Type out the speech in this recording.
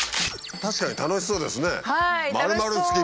確かに楽しそうですね。